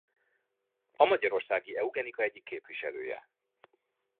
A magyarországi eugenika egyik képviselője.